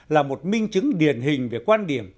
là một minh chứng điển hình về quan điểm